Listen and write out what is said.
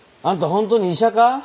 本当に医者か？